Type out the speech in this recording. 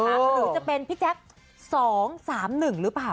หรือจะเป็นพี่แจ๊ค๒๓๑หรือเปล่า